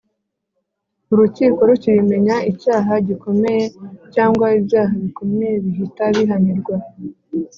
Urukiko Rukibimenya icyaha gikomeye cyangwa ibyaha bikomeye bihita bihanirwa